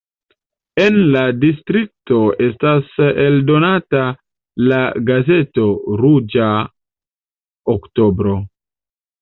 En la distrikto estas eldonata la gazeto "Ruĝa oktobro".